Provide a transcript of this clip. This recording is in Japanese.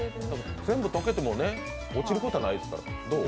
全部溶けても落ちることはないですから、どう？